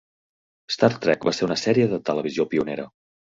Star trek va ser una sèrie de televisió pionera